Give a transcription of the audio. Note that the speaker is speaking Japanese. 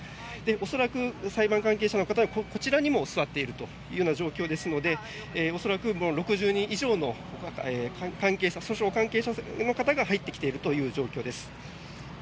恐らく裁判関係者の方はこちらにも座っているというような状況ですので恐らく、６０人以上の訴訟関係者の方が入ってきているという状況です。